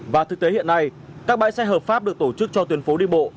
và thực tế hiện nay các bãi xe hợp pháp được tổ chức cho tuyến phố đi bộ